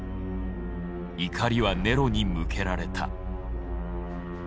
怒りはネロに向けられた。